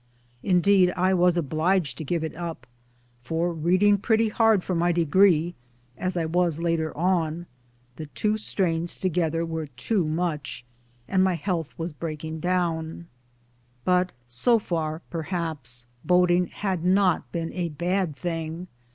Indeed I was obliged to give it up ; for reading pretty hard for my degree, as I was later on, the two strains together were too much, and my health was breaking CAMBRIDGE 47, down. But so far perhaps boating had not been a bad thing.